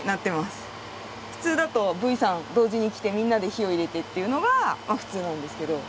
普通だとＶＥさん同時に来てみんなで火を入れてっていうのが普通なんですけど。